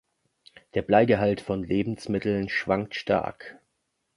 Der Bleigehalt von Lebensmitteln schwankt stark.